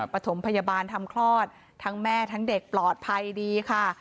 ปฐมพยาบาลทำคลอดทั้งแม่ทั้งเด็กปลอดภัยดีค่ะ